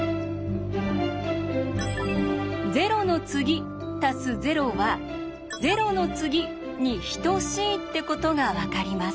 「０の次＋０」は「０の次」に等しいってことが分かります。